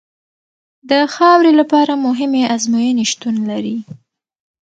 د خاورې لپاره مهمې ازموینې شتون لري